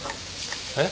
えっ？